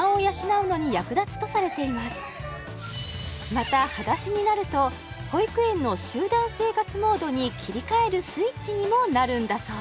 またはだしになると保育園の集団生活モードに切り替えるスイッチにもなるんだそう